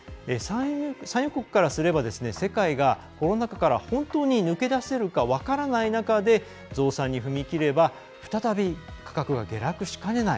産油国からすれば世界がコロナ禍から本当に抜け出せるか分からない中で増産に踏み切れば再び価格が下落しかねない